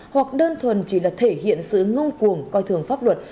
hoặc đơn thuần chỉ là thể hiện sự ngông cuồng coi thường pháp luật